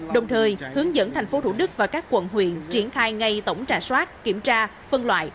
đồng thời hướng dẫn tp thủ đức và các quận huyện triển khai ngay tổng trà soát kiểm tra phân loại